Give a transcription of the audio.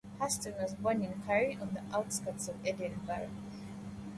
Haston was born in Currie, on the outskirts of Edinburgh.